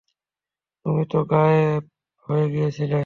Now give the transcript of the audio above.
তুমি তো গায়েব হয়ে গিয়েছিলে।